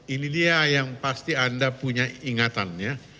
ini dia yang pasti anda punya ingatannya